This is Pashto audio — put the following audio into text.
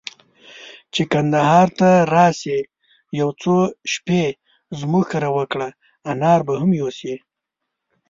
چي کندهار ته راسې، يو څو شپې زموږ کره وکړه، انار به هم يوسې.